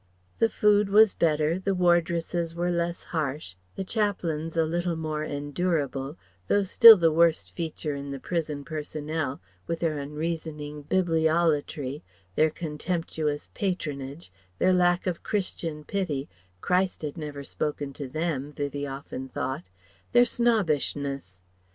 The food was better, the wardresses were less harsh, the chaplains a little more endurable, though still the worst feature in the prison personnel, with their unreasoning Bibliolatry, their contemptuous patronage, their lack of Christian pity Christ had never spoken to them, Vivie often thought their snobbishness.